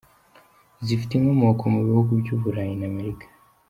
Zifite inkomoko mu bihugu by’Uburayi n’Amerika.